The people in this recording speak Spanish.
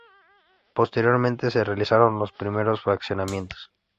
Posteriormente se realizaron los primeros fraccionamientos.